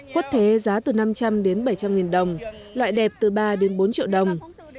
quất thế giá từ năm trăm linh đến bảy trăm linh nghìn đồng loại đẹp từ ba đến bốn triệu đồng